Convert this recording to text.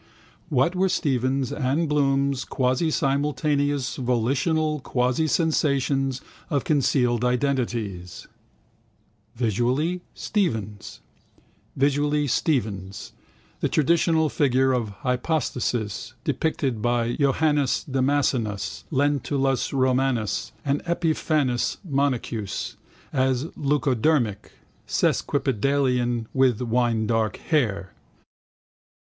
What were Stephen's and Bloom's quasisimultaneous volitional quasisensations of concealed identities? Visually, Stephen's: The traditional figure of hypostasis, depicted by Johannes Damascenus, Lentulus Romanus and Epiphanius Monachus as leucodermic, sesquipedalian with winedark hair.